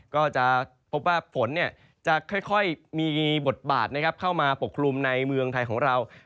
ก็จะพบว่าฝนจะค่อยมีบทบาทเข้ามาปกคลุมในเมืองไทยของเรา